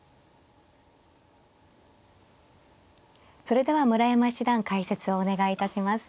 それでは村山七段解説をお願いいたします。